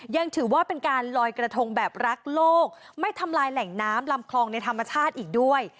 ยังถือว่าเป็นการลอยกระทงแบบรักโลกไม่ทำลายแหล่งน้ำลำคลองในธรรมชาติอีกด้วย